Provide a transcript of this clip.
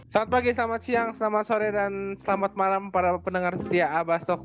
selamat pagi selamat siang selamat sore dan selamat malam para pendengar setia abasok